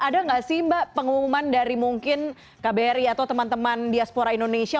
ada nggak sih mbak pengumuman dari mungkin kbri atau teman teman diaspora indonesia